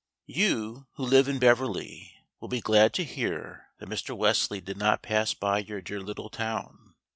YOU, who live in Beverley, will be glad to hear that Mr. Wesley did not pass by your dear little town.